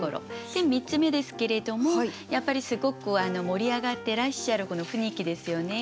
３つ目ですけれどもやっぱりすごく盛り上がってらっしゃるこの雰囲気ですよね。